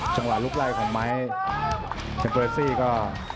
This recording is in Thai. จังหวะลูกไล่ของไม้เทมโบราซี่ก็